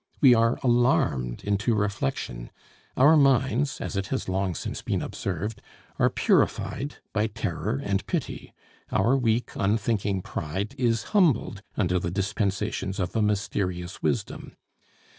We are alarmed into reflection; our minds (as it has long since been observed) are purified by terror and pity; our weak, unthinking pride is humbled under the dispensations of a mysterious wisdom.